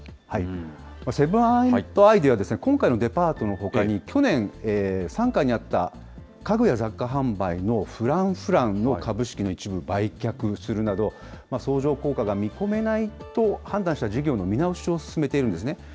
セブン＆アイでは、今回のデパートのほかに、去年、傘下にあった家具や雑貨販売のフランフランの株式の一部、売却するなど、相乗効果が見込めないと判断した事業の見直しを進めているんですね。